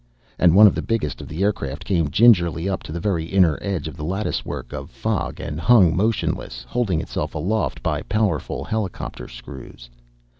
And one of the biggest of the aircraft came gingerly up to the very inner edge of the lattice work of fog and hung motionless, holding itself aloft by powerful helicopter screws.